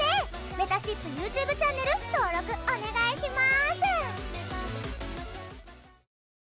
めたしっぷＹｏｕＴｕｂｅチャンネル登録お願いします！